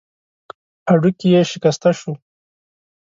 هډوکی يې شکسته شو.